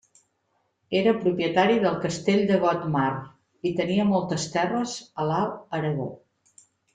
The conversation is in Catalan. Era propietari del castell de Gotmar i tenia moltes terres a l'Alt Aragó.